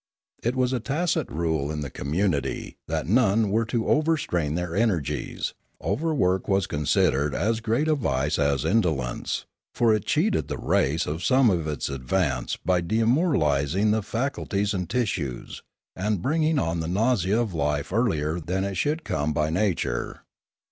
It was a tacit rule of the community that none were to overstrain their energies; overwork was considered as great a vice as indolence; for it cheated the race of some of its advance by demoralising the faculties and tissues, and bringing on the nausea of life earlier than it should come by nature.